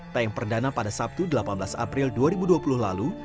tayang perdana pada sabtu delapan belas april dua ribu dua puluh lalu